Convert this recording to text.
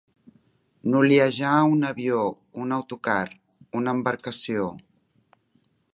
Noliejar un avió, un autocar, una embarcació.